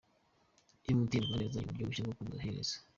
Emutiyene Rwanda yazanye uburyo bushya bwo kuguza, “Ihereze”